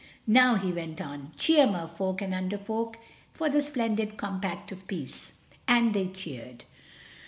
"Now," he went on, "cheer, Mer Folk and Under Folk, for the splendid compact of Peace." And they cheered.